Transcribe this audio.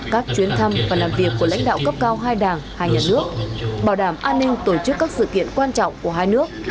các chuyến thăm và làm việc của lãnh đạo cấp cao hai đảng hai nhà nước bảo đảm an ninh tổ chức các sự kiện quan trọng của hai nước